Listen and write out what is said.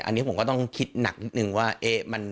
อันนี้ผมก็ต้องคิดหนักนิดนึงว่า